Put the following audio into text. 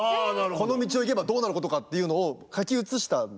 「この道を行けばどうなることか」っていうのを書き写したんですよ。